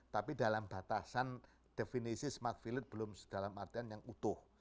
tapi dalam batasan definisi smart village belum dalam artian yang utuh